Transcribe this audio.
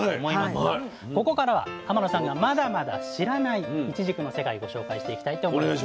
ここからは天野さんがまだまだ知らないいちじくの世界ご紹介していきたいと思います。